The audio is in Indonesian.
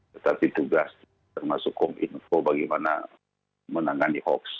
tetapi tugas termasuk kominfo bagaimana menangani hoax